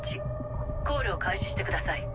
コールを開始してください。